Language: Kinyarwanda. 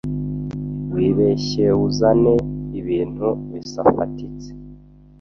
Wibeshyeuzane ibintu bisafatitse